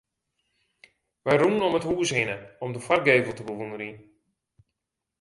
Wy rûnen om it hûs hinne om de foargevel te bewûnderjen.